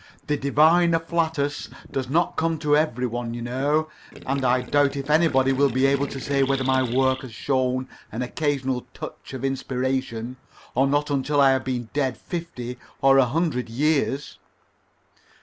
The divine afflatus doesn't come to every one, you know; and I doubt if anybody will be able to say whether my work has shown an occasional touch of inspiration, or not until I have been dead fifty or a hundred years."